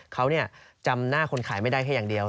เขาจำหน้าคนขายไม่ได้แค่อย่างเดียว